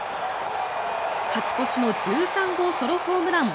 勝ち越しの１３号ソロホームラン。